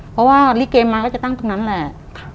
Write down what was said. เพราะว่าลิเกมาก็จะตั้งตรงนั้นแหละ